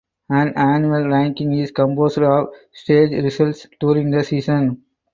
An annual ranking is composed of stage results during the season.